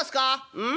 「うん？